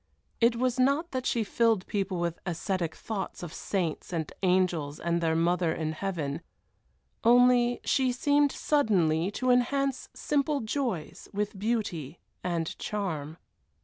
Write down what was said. It was not that she filled people with ascetic thoughts of saints and angels and their mother in heaven, only she seemed suddenly to enhance simple joys with beauty and charm.